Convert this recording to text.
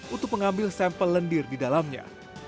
untuk mengambil sampel lendir di dalamnya